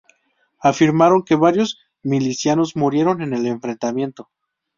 Afirmaron que varios milicianos murieron en el enfrentamiento.